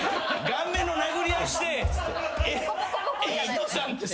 「顔面の殴り合いして」っつって。